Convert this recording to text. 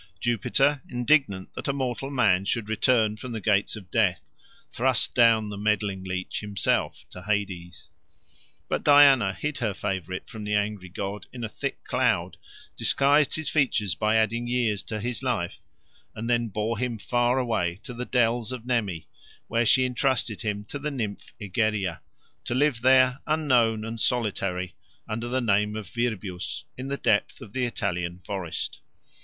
Jupiter, indignant that a mortal man should return from the gates of death, thrust down the meddling leech himself to Hades. But Diana hid her favourite from the angry god in a thick cloud, disguised his features by adding years to his life, and then bore him far away to the dells of Nemi, where she entrusted him to the nymph Egeria, to live there, unknown and solitary, under the name of Virbius, in the depth of the Italian forest.